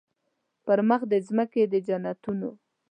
پر مخ د مځکي د جنتونو